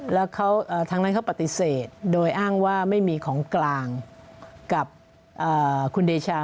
แล้วทางนั้นเขาปฏิเสธโดยอ้างว่าไม่มีของกลางกับคุณเดชา